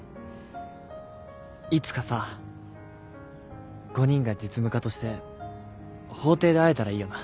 いつかさ５人が実務家として法廷で会えたらいいよな。